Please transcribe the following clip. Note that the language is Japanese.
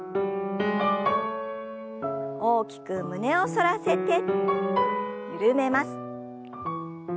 大きく胸を反らせて緩めます。